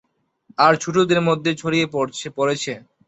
আর ছোটদের মধ্যেও ছড়িয়ে পড়েছে।